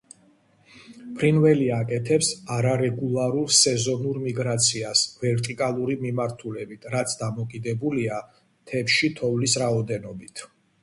ფრინველი აკეთებს არარეგულარულ სეზონურ მიგრაციას ვერტიკალური მიმართულებით, რაც დამოკიდებულია მთებში თოვლის რაოდენობით.